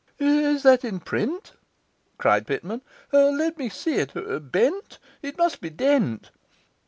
'Is that in print?' cried Pitman. 'Let me see it! Bent? It must be Dent!